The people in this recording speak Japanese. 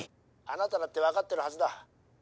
あなただって分かってるはずだ。